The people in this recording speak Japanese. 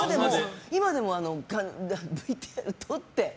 今でもＶＴＲとって。